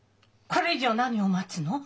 これ以上何を待つの！？